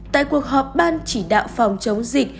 tại cuộc họp ban chỉ đạo phòng chống dịch